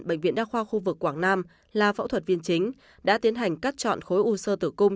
bệnh viện đa khoa khu vực quảng nam là phẫu thuật viên chính đã tiến hành cắt chọn khối u sơ tử cung